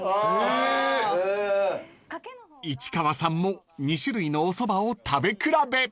［市川さんも２種類のおそばを食べ比べ］